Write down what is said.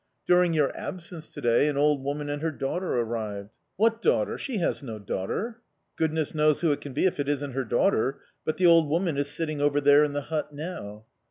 "During your absence to day, an old woman and her daughter arrived." "What daughter? She has no daughter!" "Goodness knows who it can be if it isn't her daughter; but the old woman is sitting over there in the hut now."